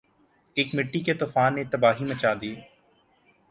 ایک مٹی کے طوفان نے تباہی مچا دی